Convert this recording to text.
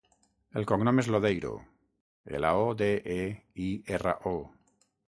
El cognom és Lodeiro: ela, o, de, e, i, erra, o.